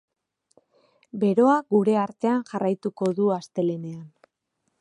Beroa gure artean jarraituko du astelehenean.